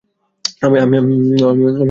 আমি কিভাবে ঘুমাতে পারি?